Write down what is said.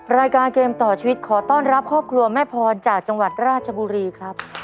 รายการเกมต่อชีวิตขอต้อนรับครอบครัวแม่พรจากจังหวัดราชบุรีครับ